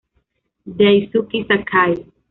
Daisuke Sakai